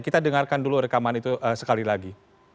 kita dengarkan dulu rekaman itu sekali lagi